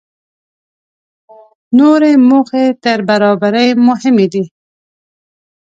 نورې موخې تر برابرۍ مهمې دي.